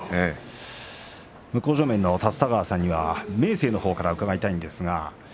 向正面の立田川さんには明生のほうから伺います。